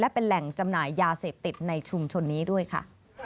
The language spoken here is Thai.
เป็นแหล่งจำหน่ายยาเสพติดในชุมชนนี้ด้วยค่ะ